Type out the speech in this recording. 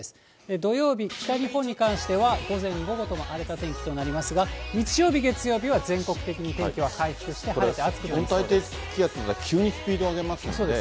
土曜日、北日本に関しては午前、午後とも荒れた天気となりますが、日曜日、月曜日は全国的に天気は回復して、晴れて暑くなりそうです。